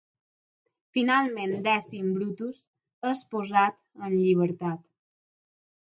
Finalment, Dècim Brutus és posat en llibertat.